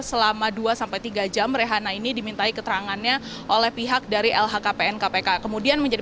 selama dua sampai tiga jam rehana ini dimintai keterangannya oleh pihak dari lhkpn kpk kemudian menjadi